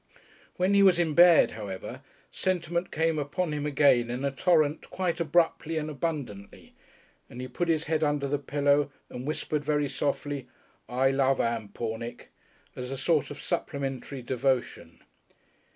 When he was in bed, however, sentiment came upon him again in a torrent quite abruptly and abundantly, and he put his head under the pillow and whispered very softly, "I love Ann Pornick," as a sort of supplementary devotion.